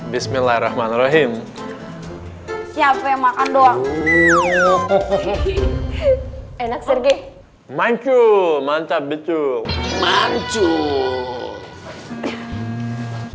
bismillahirrohmanirrohim siapa yang makan doang enak manggung mantap betul manggung